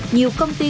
nhiều công ty